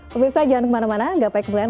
pemirsa jangan kemana mana gak payah kebelian